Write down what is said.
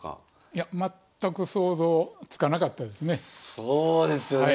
いや全く想像つかなかったですね。